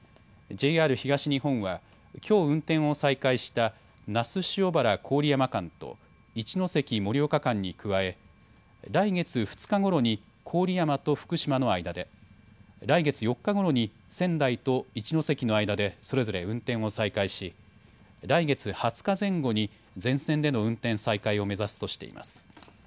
ＪＲ東日本はきょう運転を再開した那須塩原・郡山間と一ノ関・盛岡間に加え、来月２日ごろに郡山と福島の間で、来月４日ごろに仙台と一ノ関の間でそれぞれ運転を再開し来月２０日前後に全線での運転再開を目指すとしています。